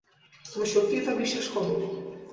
তুমি সত্যিই তা বিশ্বাস করো?